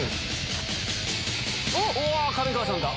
上川さんだ！